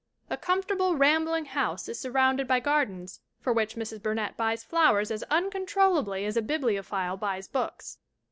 A comfortable, rambling house is surrounded by gardens for which Mrs. Burnett buys flowers as un controllably as a bibliophile buys books.